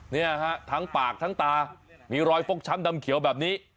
เนี่ยฮะทั้งปากทั้งตามีรอยฟกช้ำดำเขียวแบบนี้